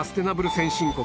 先進国